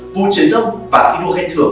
vụ truyền thông và thi đua ghen thường